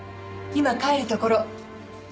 今帰るところ。